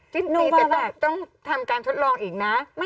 ดีแต่ต้องทำการทดลองอีกนะ